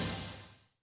có nguyên liệu top một